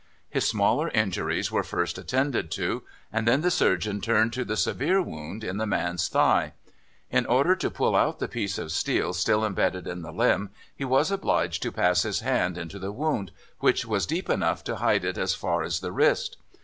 His smaller injuries were first attended to, and then the surgeon turned to the severe wound in the man's thigh. "In order to pull out the piece of steel still embedded in the limb, he was obliged to pass his hand into the wound, which was deep enough to hide it as far as the wrist.